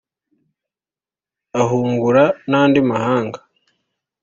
ahungura n'andi mahanga